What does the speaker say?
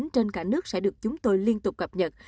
trên cả nước sẽ được chúng tôi liên tục cập nhật